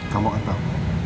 kamu gak tau